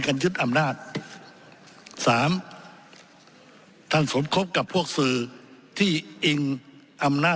ยึดอำนาจสามท่านสมคบกับพวกสื่อที่อิงอำนาจ